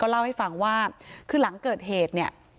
เล่าให้ฟังว่าคือหลังเกิดเหตุเนี่ย